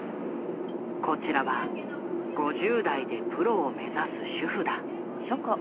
こちらは５０代でプロを目指す主婦だ。